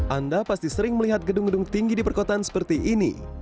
anda pasti sering melihat gedung gedung tinggi di perkotaan seperti ini